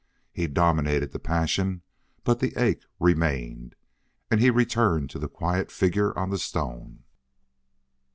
He dominated the passion, but the ache remained. And he returned to the quiet figure on the stone.